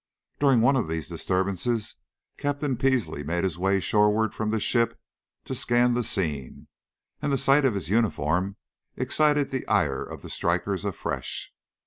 During one of these disturbances Captain Peasley made his way shoreward from the ship to scan the scene, and the sight of his uniform excited the ire of the strikers afresh.